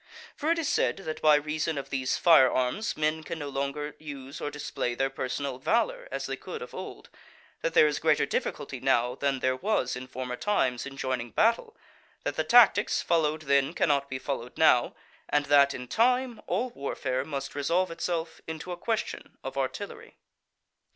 For it is said that by reason of these fire arms men can no longer use or display their personal valour as they could of old; that there is greater difficulty now than there was in former times in joining battle; that the tactics followed then cannot be followed now; and that in time all warfare must resolve itself into a question of artillery.